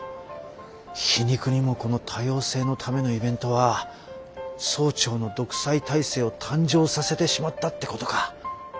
皮肉にもこの多様性のためのイベントは総長の独裁体制を誕生させてしまったってことか。